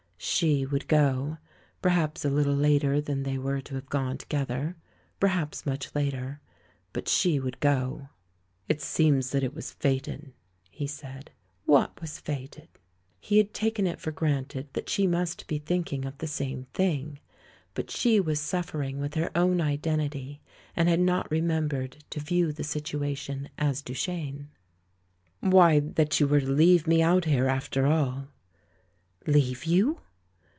She would go — perhaps a little later than they were to have gone to gether; perhaps much later. But she would go! "It seems that it was fated," he said, "What was fated?" He had taken it for granted that she must be thinking of the same thing. But she was sufFer ing with her own identity and had not remem bered to view the situation as Duchene. "Why, that you were to leave me out here, after all." "Leave you?"